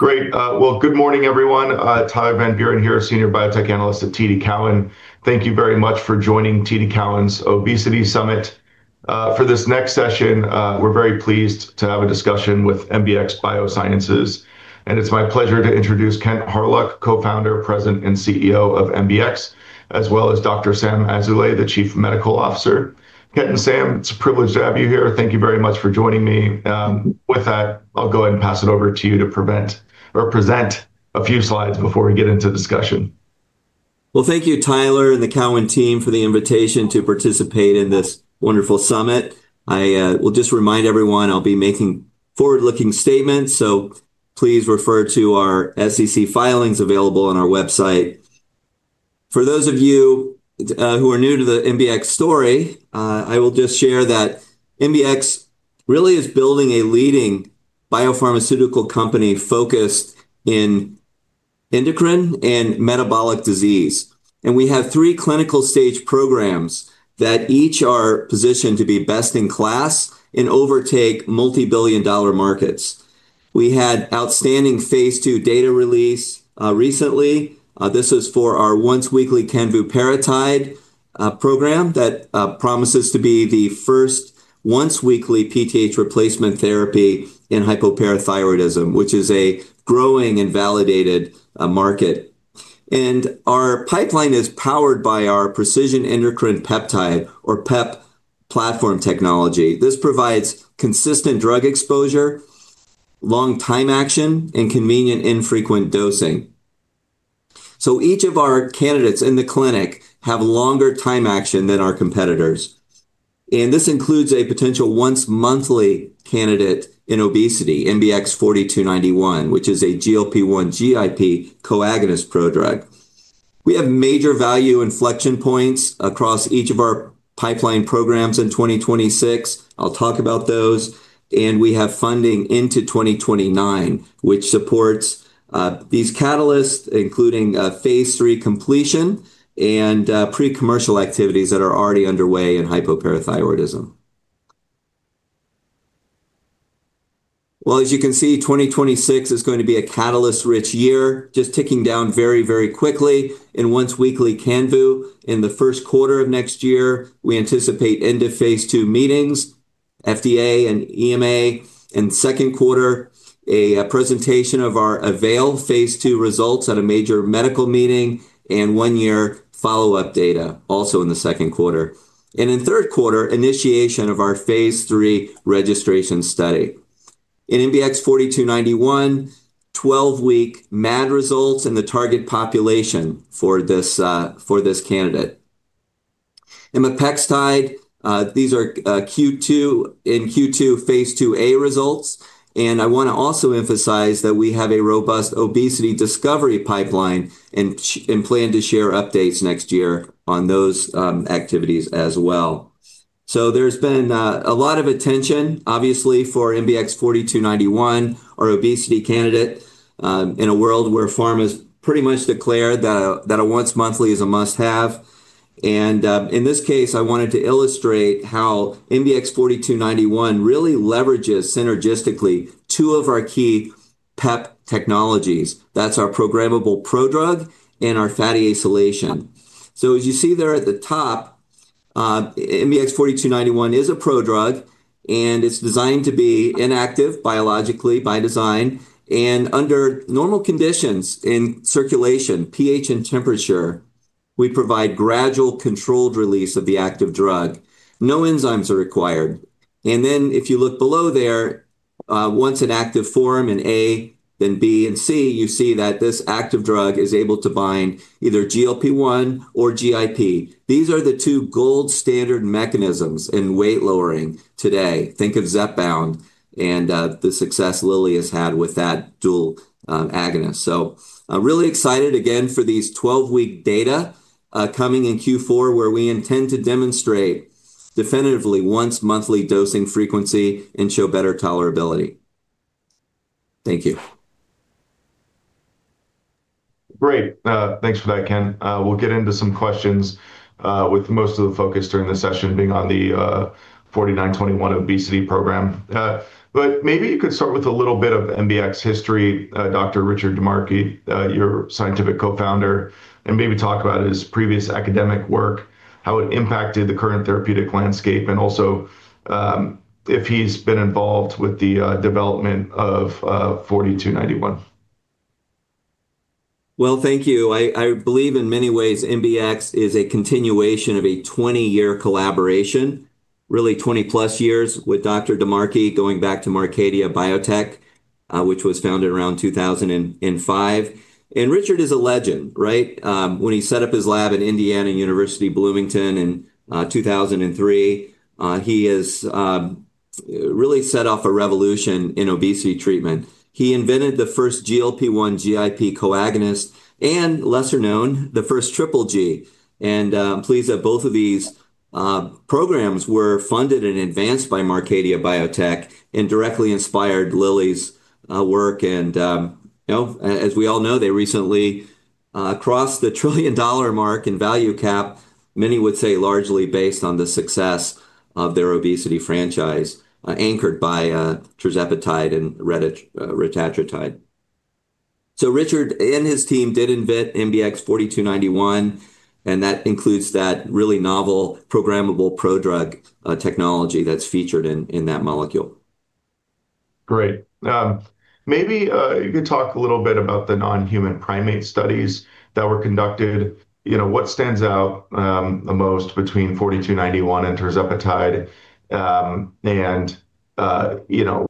Great. Good morning, everyone. Tyler Van Buren here, a senior biotech analyst at TD Cowen. Thank you very much for joining TD Cowen's Obesity Summit. For this next session, we are very pleased to have a discussion with MBX Biosciences. It is my pleasure to introduce Kent Hawryluk, Co-Founder, President, and CEO of MBX, as well as Dr. Sam Azoulay, the Chief Medical Officer. Kent and Sam, it is a privilege to have you here. Thank you very much for joining me. With that, I will go ahead and pass it over to you to present a few slides before we get into discussion. Thank you, Tyler, and the Cowen team for the invitation to participate in this wonderful summit. I will just remind everyone I'll be making forward-looking statements, so please refer to our SEC filings available on our website. For those of you who are new to the MBX story, I will just share that MBX really is building a leading biopharmaceutical company focused in endocrine and metabolic disease. We have three clinical stage programs that each are positioned to be best in class and overtake multi-billion dollar markets. We had outstanding phase II data release recently. This is for our once-weekly canvuparatide program that promises to be the first once-weekly PTH replacement therapy in hypoparathyroidism, which is a growing and validated market. Our pipeline is powered by our Precision Endocrine Peptide, or PEP, platform technology. This provides consistent drug exposure, long time action, and convenient infrequent dosing. Each of our candidates in the clinic have longer time action than our competitors. This includes a potential once-monthly candidate in obesity, MBX 4291, which is a GLP-1/GIP co-agonist prodrug. We have major value inflection points across each of our pipeline programs in 2026. I'll talk about those. We have funding into 2029, which supports these catalysts, including phase III completion and pre-commercial activities that are already underway in hypoparathyroidism. As you can see, 2026 is going to be a catalyst-rich year, just ticking down very, very quickly. In once-weekly canvu, in the first quarter of next year, we anticipate end of phase II meetings, FDA and EMA. In the second quarter, a presentation of our Avail phase II results at a major medical meeting, and one-year follow-up data also in the second quarter. In the third quarter, initiation of our phase III registration study. In MBX 4291, 12-week MAD results in the target population for this candidate. In the peptide, these are Q2 and Q2 phase II-A results. I want to also emphasize that we have a robust obesity discovery pipeline and plan to share updates next year on those activities as well. There has been a lot of attention, obviously, for MBX 4291, our obesity candidate, in a world where pharma has pretty much declared that a once-monthly is a must-have. In this case, I wanted to illustrate how MBX 4291 really leverages synergistically two of our key PEP technologies. That is our programmable prodrug and our fatty acylation. As you see there at the top, MBX 4291 is a prodrug, and it is designed to be inactive biologically by design. Under normal conditions in circulation, pH and temperature, we provide gradual controlled release of the active drug. No enzymes are required. If you look below there, once an active form in A, then B, and C, you see that this active drug is able to bind either GLP-1 or GIP. These are the two gold standard mechanisms in weight lowering today. Think of Zepbound and the success Lilly has had with that dual agonist. I am really excited again for these 12-week data coming in Q4, where we intend to demonstrate definitively once-monthly dosing frequency and show better tolerability. Thank you. Great. Thanks for that, Kent. We'll get into some questions with most of the focus during the session being on the 4291 obesity program. Maybe you could start with a little bit of MBX history, Dr. Richard DiMarchi, your Scientific Co-Founder, and maybe talk about his previous academic work, how it impacted the current therapeutic landscape, and also if he's been involved with the development of 4291. Thank you. I believe in many ways, MBX is a continuation of a 20-year collaboration, really 20-plus years with Dr. DiMarchi going back to Marcadia Biotech, which was founded around 2005. Richard is a legend, right? When he set up his lab in Indiana University, Bloomington in 2003, he has really set off a revolution in obesity treatment. He invented the first GLP-1/GIP co-agonist and, lesser known, the first triple G. I am pleased that both of these programs were funded and advanced by Marcadia Biotech and directly inspired Lilly's work. As we all know, they recently crossed the trillion-dollar mark in value cap, many would say largely based on the success of their obesity franchise anchored by tirzepatide and retatrutide. Richard and his team did invent MBX 4291, and that includes that really novel programmable prodrug technology that is featured in that molecule. Great. Maybe you could talk a little bit about the non-human primate studies that were conducted. What stands out the most between 4291 and tirzepatide?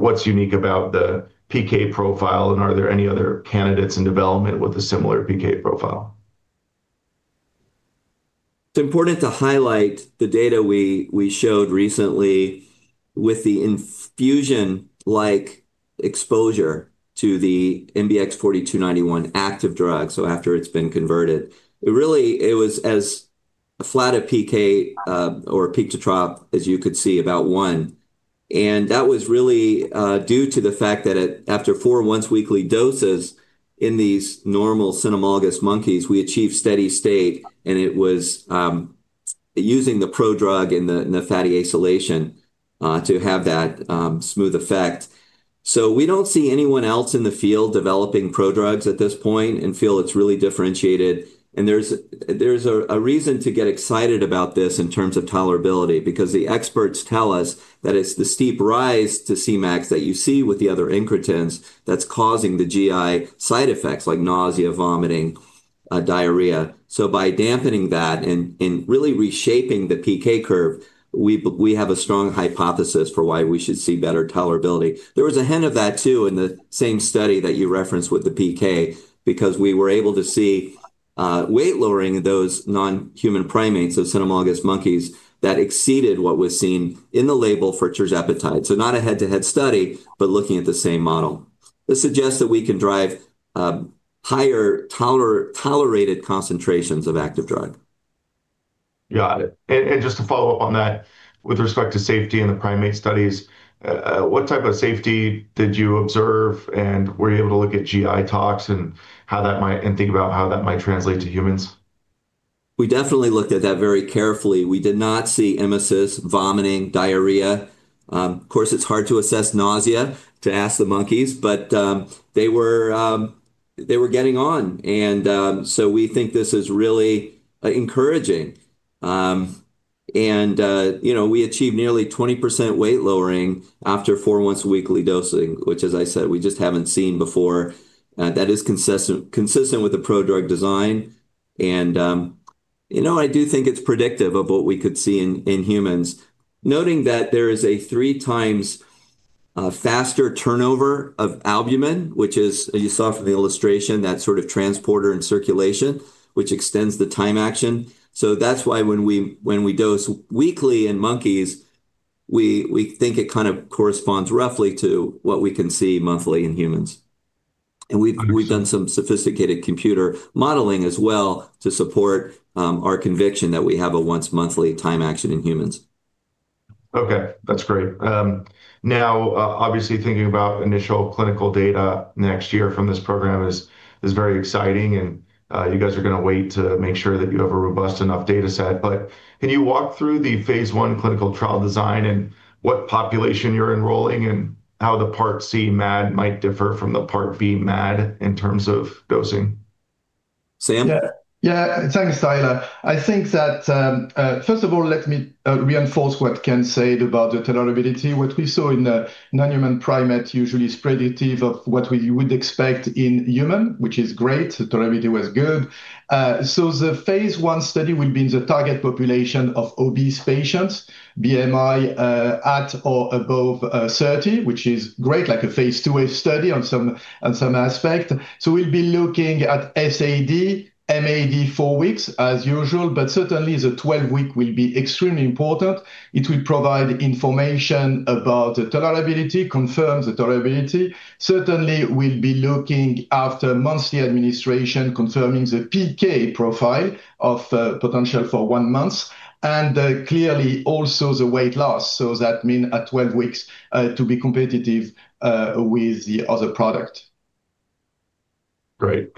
What is unique about the PK profile? Are there any other candidates in development with a similar PK profile? It's important to highlight the data we showed recently with the infusion-like exposure to the MBX 4291 active drug, so after it's been converted. It really was as flat a PK or peak to trough as you could see, about one. That was really due to the fact that after four once-weekly doses in these normal cynomolgus monkeys, we achieved steady state. It was using the prodrug and the fatty acylation to have that smooth effect. We don't see anyone else in the field developing prodrugs at this point and feel it's really differentiated. There's a reason to get excited about this in terms of tolerability, because the experts tell us that it's the steep rise to Cmax that you see with the other incretins that's causing the GI side effects like nausea, vomiting, diarrhea. By dampening that and really reshaping the PK curve, we have a strong hypothesis for why we should see better tolerability. There was a hint of that too in the same study that you referenced with the PK, because we were able to see weight lowering in those non-human primates, those cynomolgus monkeys, that exceeded what was seen in the label for tirzepatide. Not a head-to-head study, but looking at the same model. This suggests that we can drive higher tolerated concentrations of active drug. Got it. Just to follow up on that, with respect to safety in the primate studies, what type of safety did you observe? Were you able to look at GI toxin and think about how that might translate to humans? We definitely looked at that very carefully. We did not see emesis, vomiting, diarrhea. Of course, it's hard to assess nausea to ask the monkeys, but they were getting on. We think this is really encouraging. We achieved nearly 20% weight lowering after four once-weekly dosing, which, as I said, we just haven't seen before. That is consistent with the prodrug design. I do think it's predictive of what we could see in humans, noting that there is a three times faster turnover of albumin, which is, as you saw from the illustration, that sort of transporter in circulation, which extends the time action. That's why when we dose weekly in monkeys, we think it kind of corresponds roughly to what we can see monthly in humans. We have done some sophisticated computer modeling as well to support our conviction that we have a once-monthly time action in humans. Okay. That's great. Now, obviously, thinking about initial clinical data next year from this program is very exciting. You guys are going to wait to make sure that you have a robust enough data set. Can you walk through the phase I clinical trial design and what population you're enrolling and how the part C MAD might differ from the part B MAD in terms of dosing? Sam? Yeah. Thanks, Tyler. I think that, first of all, let me reinforce what Kent said about the tolerability. What we saw in the non-human primate usually is predictive of what we would expect in human, which is great. The tolerability was good. The phase I study will be in the target population of obese patients, BMI at or above 30, which is great, like a phase II study on some aspect. We will be looking at SAD, MAD four weeks as usual, but certainly the 12-week will be extremely important. It will provide information about the tolerability, confirm the tolerability. Certainly, we will be looking after monthly administration, confirming the PK profile of potential for one month, and clearly also the weight loss. That means at 12 weeks to be competitive with the other product. Great.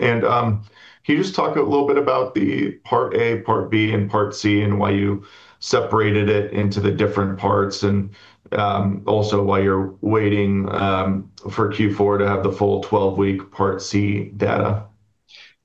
Can you just talk a little bit about the part A, part B, and part C, and why you separated it into the different parts, and also why you're waiting for Q4 to have the full 12-week part C data?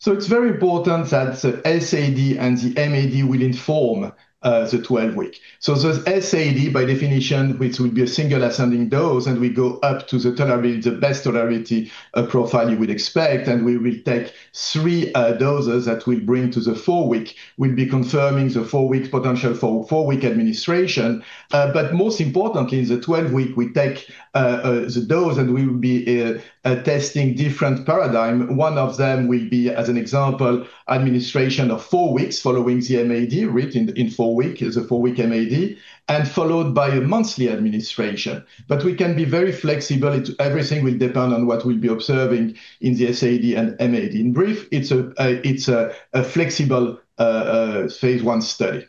It's very important that the SAD and the MAD will inform the 12-week. The SAD, by definition, which would be a single ascending dose, and we go up to the best tolerability profile you would expect. We will take three doses that we bring to the four-week. We'll be confirming the four-week potential for four-week administration. Most importantly, in the 12-week, we take the dose and we will be testing different paradigms. One of them will be, as an example, administration of four weeks following the MAD written in four-week, the four-week MAD, and followed by a monthly administration. We can be very flexible. Everything will depend on what we'll be observing in the SAD and MAD. In brief, it's a flexible phase I study.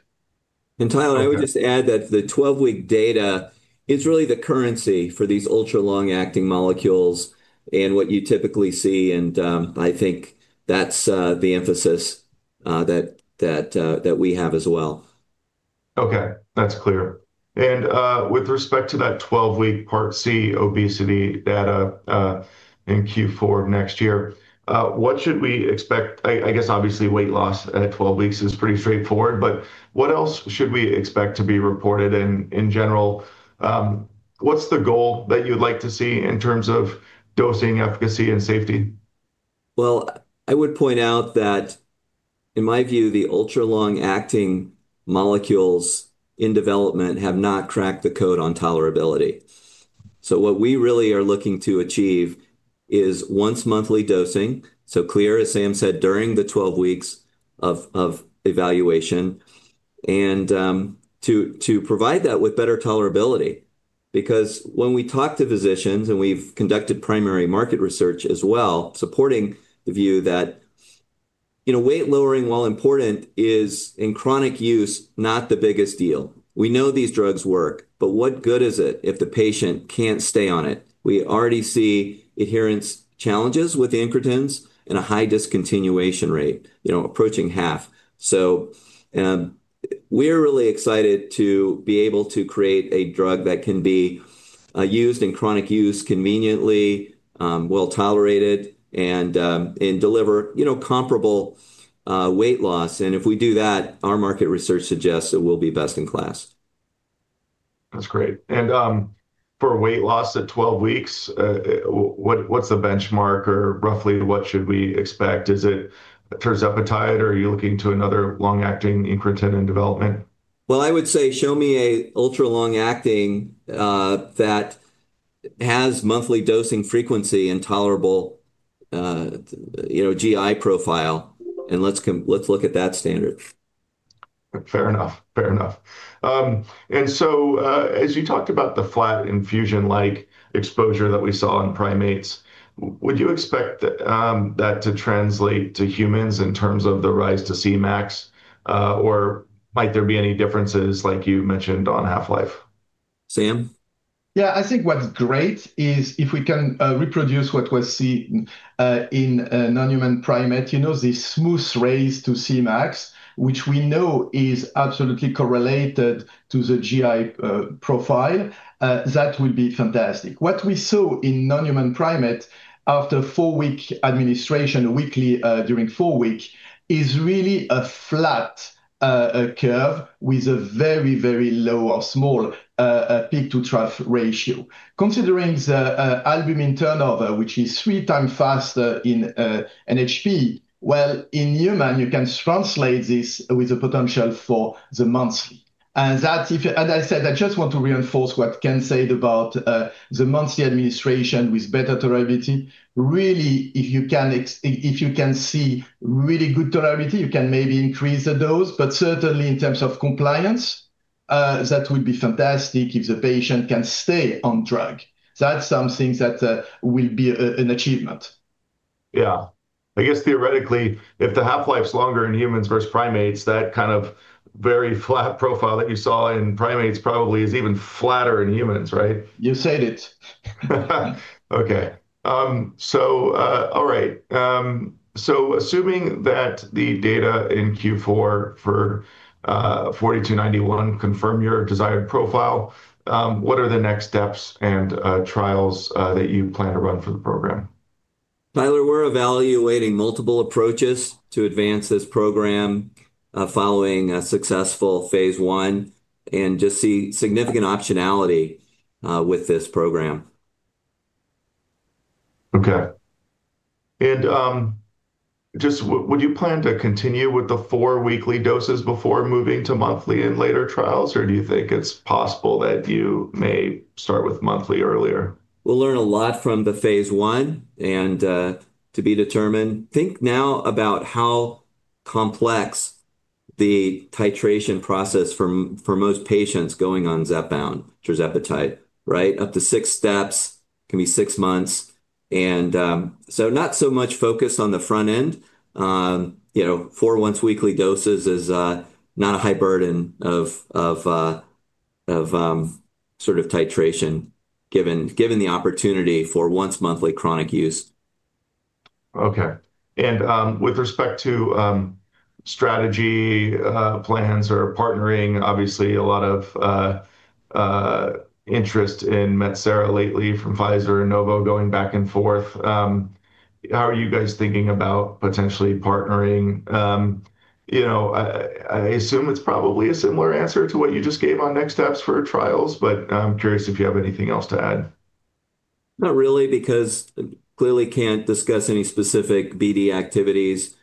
Tyler, I would just add that the 12-week data is really the currency for these ultra-long-acting molecules and what you typically see. I think that's the emphasis that we have as well. Okay. That's clear. With respect to that 12-week part C obesity data in Q4 next year, what should we expect? I guess, obviously, weight loss at 12 weeks is pretty straightforward, but what else should we expect to be reported? In general, what's the goal that you'd like to see in terms of dosing efficacy and safety? I would point out that in my view, the ultra-long-acting molecules in development have not cracked the code on tolerability. What we really are looking to achieve is once-monthly dosing, so clear, as Sam said, during the 12 weeks of evaluation, and to provide that with better tolerability. Because when we talk to physicians and we've conducted primary market research as well, supporting the view that weight lowering, while important, is in chronic use not the biggest deal. We know these drugs work, but what good is it if the patient can't stay on it? We already see adherence challenges with the incretins and a high discontinuation rate, approaching half. We are really excited to be able to create a drug that can be used in chronic use conveniently, well tolerated, and deliver comparable weight loss. If we do that, our market research suggests it will be best in class. That's great. For weight loss at 12 weeks, what's the benchmark or roughly what should we expect? Is it tirzepatide or are you looking to another long-acting incretin in development? I would say show me an ultra-long-acting that has monthly dosing frequency and tolerable GI profile, and let's look at that standard. Fair enough. Fair enough. As you talked about the flat infusion-like exposure that we saw in primates, would you expect that to translate to humans in terms of the rise to Cmax, or might there be any differences like you mentioned on half-life? Sam? Yeah. I think what's great is if we can reproduce what was seen in a non-human primate, the smooth raise to Cmax, which we know is absolutely correlated to the GI profile, that would be fantastic. What we saw in non-human primates after four-week administration, weekly during four-week, is really a flat curve with a very, very low or small peak to trough ratio. Considering the albumin turnover, which is three times faster in NHP, in human, you can translate this with the potential for the monthly. As I said, I just want to reinforce what Kent said about the monthly administration with better tolerability. Really, if you can see really good tolerability, you can maybe increase the dose. Certainly, in terms of compliance, that would be fantastic if the patient can stay on drug. That's something that will be an achievement. Yeah. I guess theoretically, if the half-life is longer in humans versus primates, that kind of very flat profile that you saw in primates probably is even flatter in humans, right? You said it. Okay. All right. Assuming that the data in Q4 for 4291 confirm your desired profile, what are the next steps and trials that you plan to run for the program? Tyler, we're evaluating multiple approaches to advance this program following a successful phase I and just see significant optionality with this program. Okay. Just would you plan to continue with the four-weekly doses before moving to monthly in later trials, or do you think it's possible that you may start with monthly earlier? We'll learn a lot from the phase I and to be determined. Think now about how complex the titration process for most patients going on Zepbound, tirzepatide, right? Up to six steps, can be six months. Not so much focus on the front end. Four-month weekly doses is not a high burden of sort of titration given the opportunity for once-monthly chronic use. Okay. With respect to strategy plans or partnering, obviously, a lot of interest in Metsera lately from Pfizer and Novo going back and forth. How are you guys thinking about potentially partnering? I assume it's probably a similar answer to what you just gave on next steps for trials, but I'm curious if you have anything else to add. Not really, because clearly can't discuss any specific BD activities.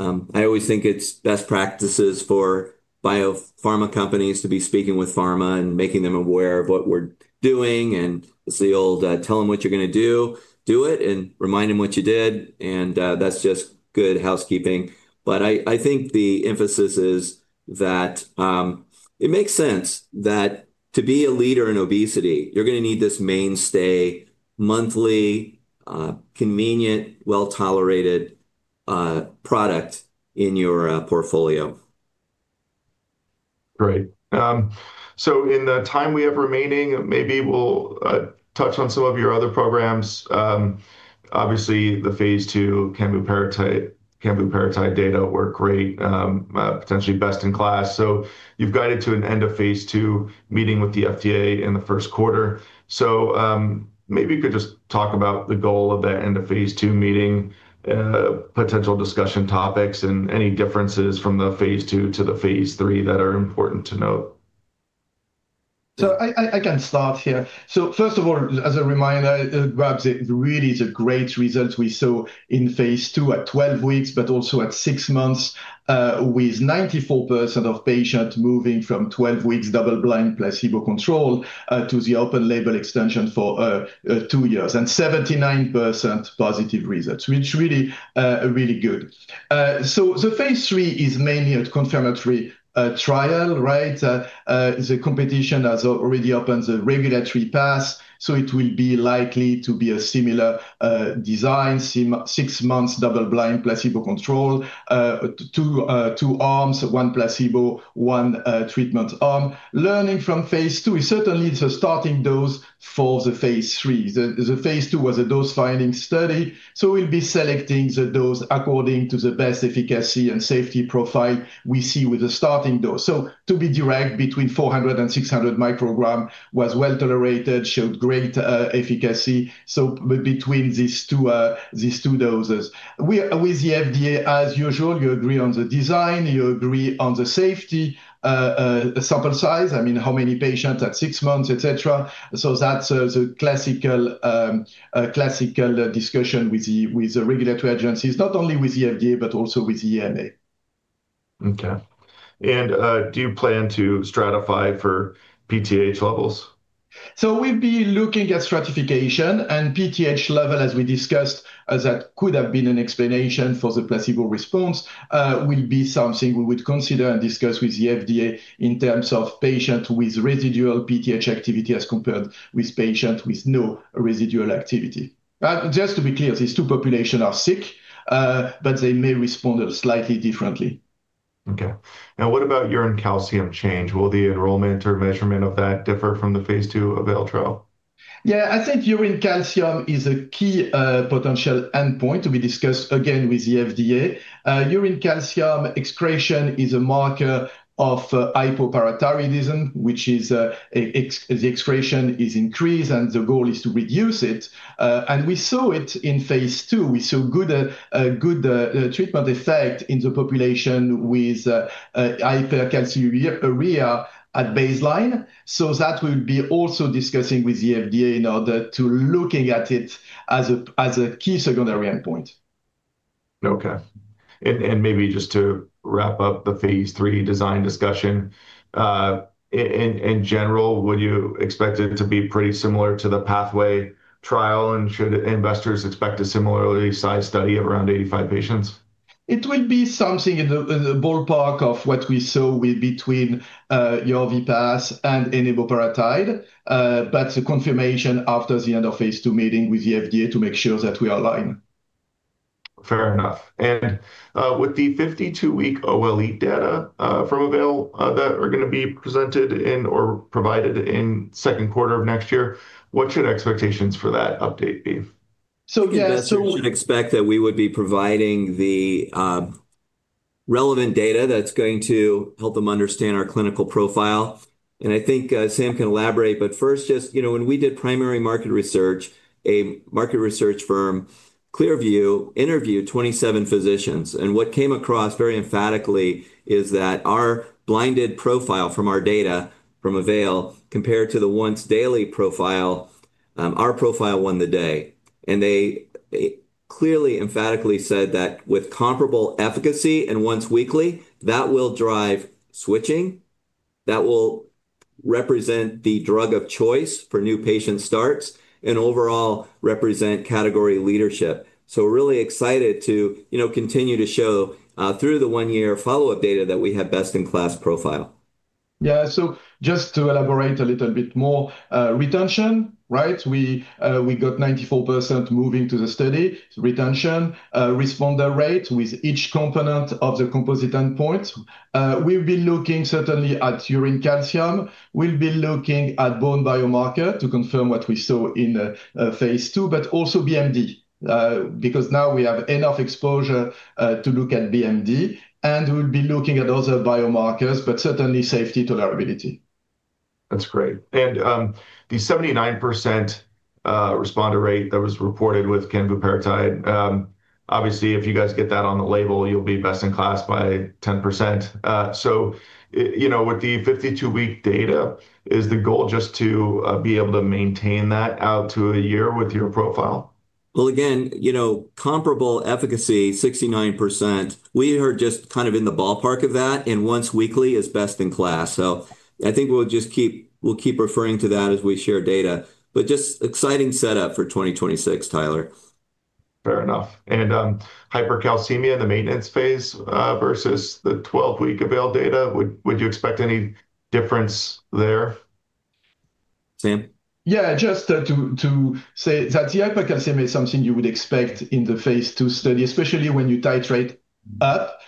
I always think it's best practices for biopharma companies to be speaking with pharma and making them aware of what we're doing. It is the old, tell them what you're going to do, do it, and remind them what you did. That is just good housekeeping. I think the emphasis is that it makes sense that to be a leader in obesity, you're going to need this mainstay monthly, convenient, well-tolerated product in your portfolio. Great. In the time we have remaining, maybe we'll touch on some of your other programs. Obviously, the phase II canvuparatide data were great, potentially best in class. You've guided to an end of phase II meeting with the FDA in the first quarter. Maybe you could just talk about the goal of that end of phase II meeting, potential discussion topics, and any differences from the phase II to the phase III that are important to note. I can start here. First of all, as a reminder, it really is a great result we saw in phase II at 12 weeks, but also at six months with 94% of patients moving from 12 weeks double-blind placebo control to the open-label extension for two years and 79% positive results, which really is really good. The phase III is mainly a confirmatory trial, right? The competition has already opened the regulatory pass. It will be likely to be a similar design, six months double-blind placebo control, two arms, one placebo, one treatment arm. Learning from phase II is certainly the starting dose for the phase III. The phase II was a dose-finding study. We will be selecting the dose according to the best efficacy and safety profile we see with the starting dose. To be direct, between 400 and 600 mcg was well tolerated, showed great efficacy. Between these two doses, with the FDA, as usual, you agree on the design, you agree on the safety, sample size, I mean, how many patients at six months, etc. That is the classical discussion with the regulatory agencies, not only with the FDA, but also with the EMA. Okay. Do you plan to stratify for PTH levels? We'll be looking at stratification. PTH level, as we discussed, that could have been an explanation for the placebo response, will be something we would consider and discuss with the FDA in terms of patients with residual PTH activity as compared with patients with no residual activity. Just to be clear, these two populations are sick, but they may respond slightly differently. Okay. What about urine calcium change? Will the enrollment or measurement of that differ from the phase II of Veltro? Yeah. I think urine calcium is a key potential endpoint to be discussed again with the FDA. Urine calcium excretion is a marker of hypoparathyroidism, which is the excretion is increased and the goal is to reduce it. We saw it in phase II. We saw good treatment effect in the population with hypercalciuria at baseline. That will be also discussing with the FDA in order to look at it as a key secondary endpoint. Okay. Maybe just to wrap up the phase III design discussion, in general, would you expect it to be pretty similar to the pathway trial? Should investors expect a similarly sized study of around 85 patients? It will be something in the ballpark of what we saw between Yorvipath and eniboparatide, but the confirmation after the end of phase II meeting with the FDA to make sure that we align. Fair enough. With the 52-week OLE data from Avail that are going to be presented in or provided in the second quarter of next year, what should expectations for that update be? Yeah. We should expect that we would be providing the relevant data that's going to help them understand our clinical profile. I think Sam can elaborate, but first, just when we did primary market research, a market research firm, ClearView, interviewed 27 physicians. What came across very emphatically is that our blinded profile from our data from Avail compared to the once-daily profile, our profile won the day. They clearly, emphatically said that with comparable efficacy and once weekly, that will drive switching, that will represent the drug of choice for new patient starts, and overall represent category leadership. Really excited to continue to show through the one-year follow-up data that we have best in class profile. Yeah. Just to elaborate a little bit more, retention, right? We got 94% moving to the study, retention, responder rate with each component of the composite endpoint. We've been looking certainly at urine calcium. We'll be looking at bone biomarker to confirm what we saw in phase II, but also BMD, because now we have enough exposure to look at BMD. We'll be looking at other biomarkers, but certainly safety tolerability. That's great. And the 79% responder rate that was reported with canvuparatide, obviously, if you guys get that on the label, you'll be best in class by 10%. With the 52-week data, is the goal just to be able to maintain that out to a year with your profile? Again, comparable efficacy, 69%, we are just kind of in the ballpark of that. Once weekly is best in class. I think we'll just keep referring to that as we share data. Just exciting setup for 2026, Tyler. Fair enough. Hypercalcemia in the maintenance phase versus the 12-week Avail data, would you expect any difference there? Sam? Yeah. Just to say that the hypercalcemia is something you would expect in the phase II study, especially when you titrate up,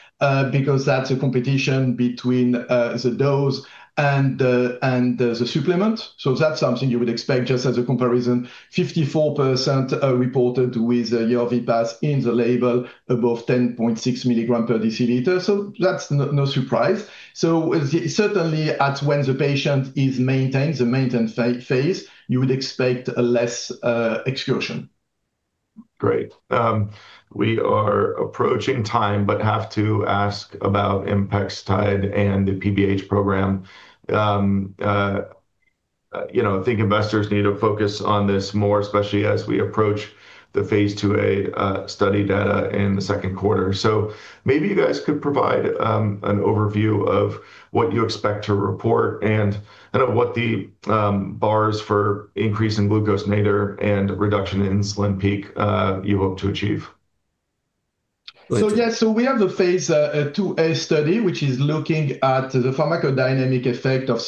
because that's a competition between the dose and the supplement. That's something you would expect just as a comparison, 54% reported with Yorvipath in the label above 10.6 mg per dl. That's no surprise. Certainly when the patient is maintained, the maintenance phase, you would expect less excursion. Great. We are approaching time, but have to ask about imapextide and the PBH program. I think investors need to focus on this more, especially as we approach the phase II study data in the second quarter. Maybe you guys could provide an overview of what you expect to report and what the bars for increase in glucose nadir and reduction in insulin peak you hope to achieve. Yeah, we have the phase II study, which is looking at the pharmacodynamic effect of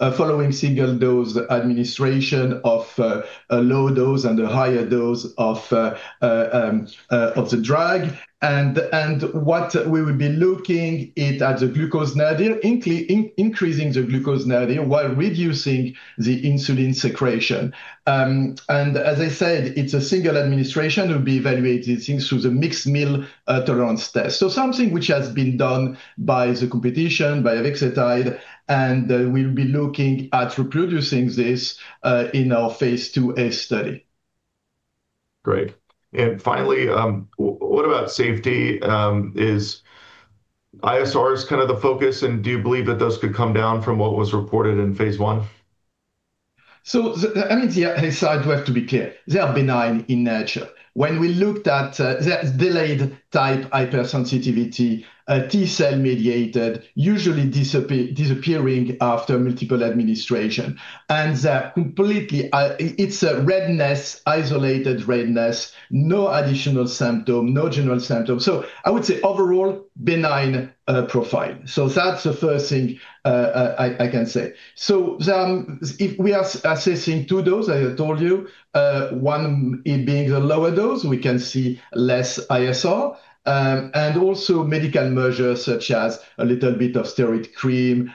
following single-dose administration of a low dose and a higher dose of the drug. What we would be looking at is the glucose nadir, increasing the glucose nadir while reducing the insulin secretion. As I said, it's a single administration that will be evaluated through the mixed meal tolerance test. Something which has been done by the competition, by Vexetide, and we'll be looking at reproducing this in our phase II study. Great. Finally, what about safety? Is ISRs kind of the focus? Do you believe that those could come down from what was reported in phase I? I mean, the ISR, to be clear, they are benign in nature. When we looked at delayed type hypersensitivity, T cell mediated, usually disappearing after multiple administrations. It is a redness, isolated redness, no additional symptom, no general symptoms. I would say overall benign profile. That is the first thing I can say. We are assessing two doses, I told you, one being the lower dose, we can see less ISR. Also, medical measures such as a little bit of steroid cream,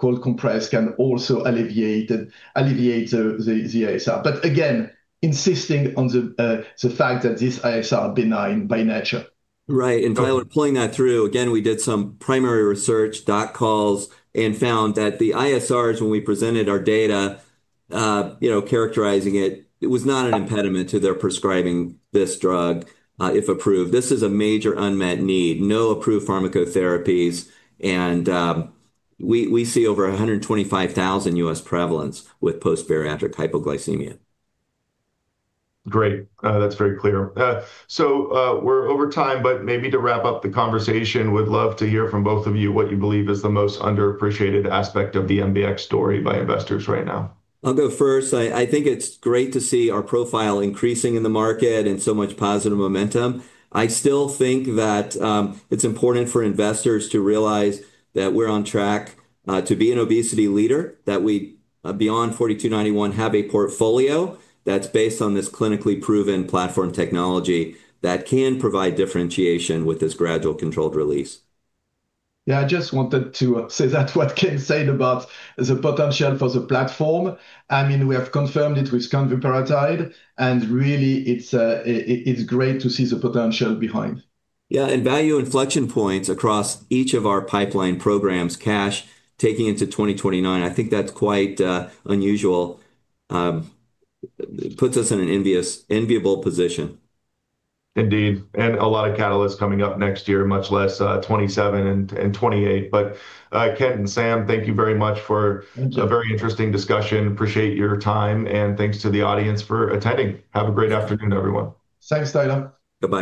cold compress can also alleviate the ISR. Again, insisting on the fact that this ISR is benign by nature. Right. Tyler, pulling that through, again, we did some primary research, doc calls, and found that the ISRs, when we presented our data, characterizing it, it was not an impediment to their prescribing this drug if approved. This is a major unmet need, no approved pharmacotherapies. We see over 125,000 U.S. prevalence with post-bariatric hypoglycemia. Great. That's very clear. We're over time, but maybe to wrap up the conversation, we'd love to hear from both of you what you believe is the most underappreciated aspect of the MBX story by investors right now. I'll go first. I think it's great to see our profile increasing in the market and so much positive momentum. I still think that it's important for investors to realize that we're on track to be an obesity leader, that we beyond 4291 have a portfolio that's based on this clinically proven platform technology that can provide differentiation with this gradual controlled release. Yeah, I just wanted to say that what Kent said about the potential for the platform. I mean, we have confirmed it with canvuparatide. And really, it's great to see the potential behind. Yeah. Value inflection points across each of our pipeline programs, cash taking into 2029, I think that's quite unusual. It puts us in an enviable position. Indeed. A lot of catalysts coming up next year, much less 2027 and 2028. Kent and Sam, thank you very much for a very interesting discussion. Appreciate your time. Thanks to the audience for attending. Have a great afternoon, everyone. Thanks, Tyler. Goodbye.